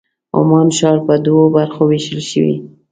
عمان ښار په دوو برخو وېشل شوی.